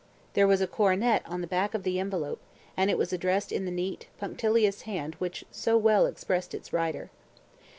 There was a coronet on the back of the envelope, and it was addressed in the neat, punctilious hand which so well expressed its writer.